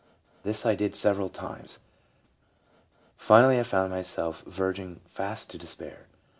This I did several times. ... Finally I found myself verging fast to despair.